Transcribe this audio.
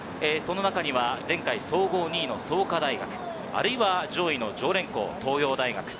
その中には前回総合２位の創価大学、あるいは上位の常連校、東洋大学。